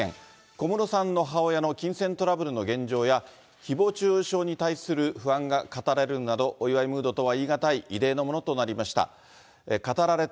小室さんの母親の金銭トラブルの現状や、ひぼう中傷に対する不安が語られるなど、お祝いムードとは言い難い異例のものとなりました。